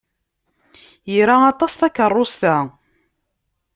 Ira aṭas takeṛṛust-a.